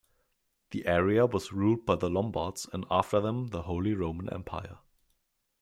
The area was ruled by the Lombards and after them the Holy Roman Empire.